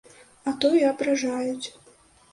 А то і абражаюць.